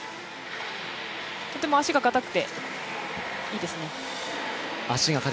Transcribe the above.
とても足がかたくて、いいですね。